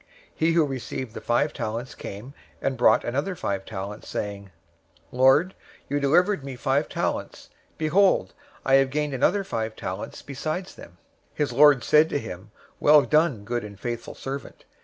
025:020 He who received the five talents came and brought another five talents, saying, 'Lord, you delivered to me five talents. Behold, I have gained another five talents besides them.' 025:021 "His lord said to him, 'Well done, good and faithful servant.